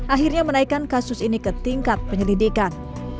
akhirnya menaikkan kasus ini ke tingkat penyelidikan